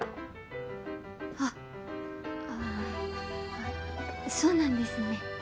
あああそうなんですね。